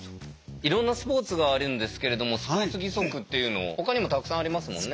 いろんなスポーツがあるんですけれどもスポーツ義足っていうのほかにもたくさんありますもんね。